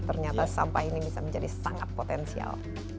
ternyata sampah ini bisa menjadi sangat potensial